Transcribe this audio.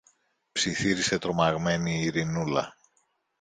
ψιθύρισε τρομαγμένη η Ειρηνούλα.